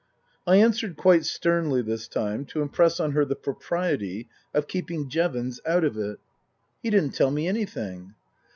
I answered quite sternly this time, to impress on her the propriety of keeping Jevons out of it. " He didn't tell me anything."